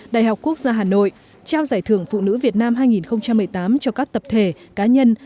đại học quốc gia hà nội trao giải thưởng phụ nữ việt nam hai nghìn một mươi tám cho các tập thể cá nhân